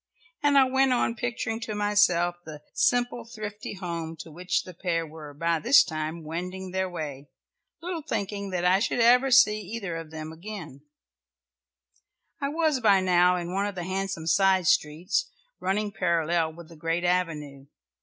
And I went on picturing to myself the simple thrifty home to which the pair were by this time wending their way, little thinking that I should ever see either of them again. I was by now in one of the handsome side streets, running parallel with the great avenue.